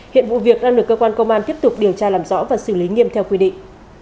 hiện vụ việc đang được cơ quan công an tiếp tục điều tra làm rõ và xử lý nghiêm theo quy định